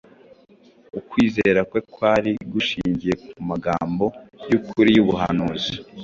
Ukwizera kwe kwari gushingiye ku magambo y’ukuri y’ubuhanuzi.